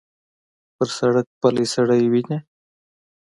پر سړک پلی سړی وینې.